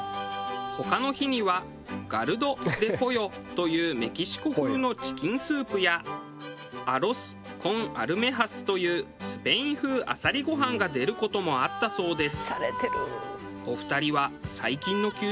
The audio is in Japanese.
他の日にはガルド・デ・ポヨというメキシコ風のチキンスープやアロス・コン・アルメハスというスペイン風あさりご飯が出る事もあったそうです。